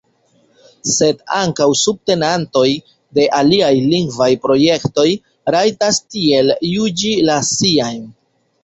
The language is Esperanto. Sed ankaŭ subtenantoj de aliaj lingvaj projektoj rajtas tiel juĝi la siajn.